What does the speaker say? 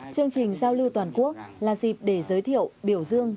chương trình giao lưu toàn quốc là dịp để giới thiệu biểu dương